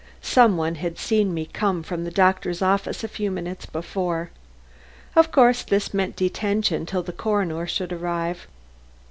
Some one had seen me come from the doctor's office a few minutes before. Of course this meant detention till the coroner should arrive.